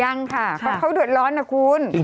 ยังค่ะเพราะเขาเดือดร้อนนะคุณ